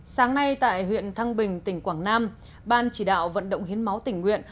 sáng nay tại huyện thăng bình tỉnh quảng nam ban chỉ đạo vận động hiến máu tỉnh nguyện